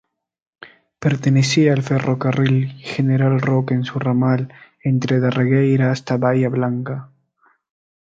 Pertenecía al Ferrocarril General Roca en su ramal entre Darregueira hasta Bahía Blanca.